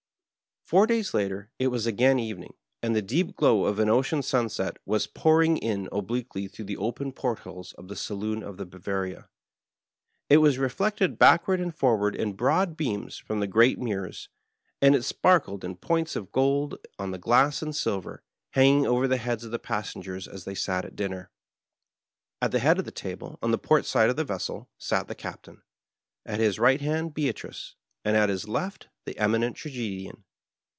••••••• Four days later it was again evening, and the deep glow of an ocean sunset was pouring in obliquely through the open port holes in the saloon of the Bor va/ria. It was reflected backward and forward in broad beams from the great mirrors, and it sparkled in points of gold on the glass and silver hanging over the heads of the passengers as they sat at dinner. At the head of the table, on the port side of the vessel, sat the Cap tain, at his right hand Be<Uricey and at his left the Eminent Tragedian.